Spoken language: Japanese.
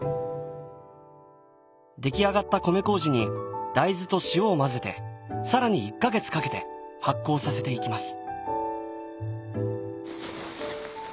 出来上がった米麹に大豆と塩を混ぜて更に１か月かけて発酵させていきます。